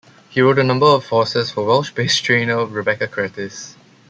He rode a number of horses for Welsh-based trainer Rebecca Curtis.